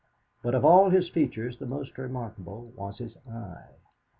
But of all his features, the most remarkable was his eye.